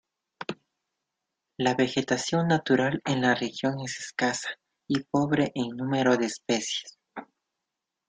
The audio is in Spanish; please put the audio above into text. La vegetación natural en la región es escasa y pobre en número de especies.